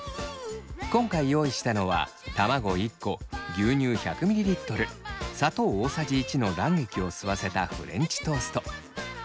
今回用意したのは卵１個牛乳１００ｍｌ砂糖大さじ１の卵液を吸わせたフレンチトースト。